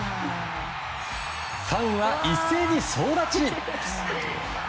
ファンは一斉に総立ち。